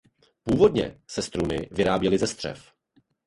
Původně se struny vyráběly ze střev.